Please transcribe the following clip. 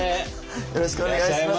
よろしくお願いします。